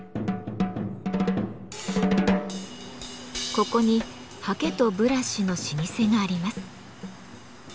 ここに刷毛とブラシの老舗があります。